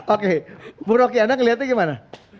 oke bu roky anda melihatnya bagaimana